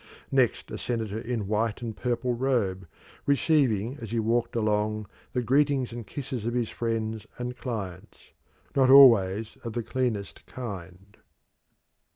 Next a senator in white and purple robe, receiving as he walked along the greetings and kisses of his friends and clients, not always of the cleanest kind.